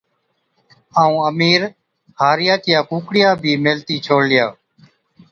ائُون امِير هارِيا چِيا ڪُوڪڙِيا بِي ميهلتِي ڇوڙلِيا۔